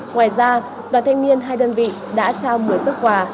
ngoài ra đoàn thanh niên hai đơn vị đã trao một mươi xuất quà